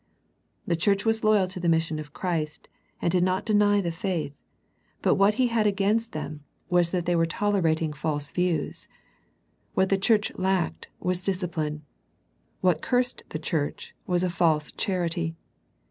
The church was loyal to the mission of Christ, and did not deny the faith, but what He had against them 94 A First Century Message was that they were tolerating false views. What the church lacked was discipline. What cursed the church was a false charity.